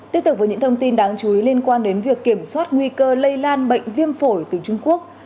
tiếp tục với những thông tin đáng chú ý liên quan đến việc kiểm soát nguy cơ lây lan bệnh viêm phổi từ trung quốc